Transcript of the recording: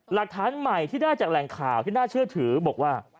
หลักฐานใหม่ที่ได้จากแหล่งข่าวที่น่าเชื่อถือบอกว่า